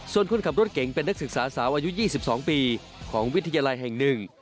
ส่วนคนขับรถเก๋งเป็นนักศึกษาสาวอายุ๒๒ปีของวิทยาลัยแห่งหนึ่ง